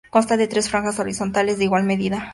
Consta de tres franjas horizontales de igual medida.